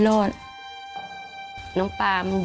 สุดท้าย